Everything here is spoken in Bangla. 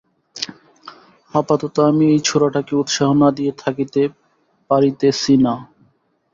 আপাতত আমি এই ছোঁড়াটাকে উৎসাহ না দিয়া থাকিতে পারিতেছি না।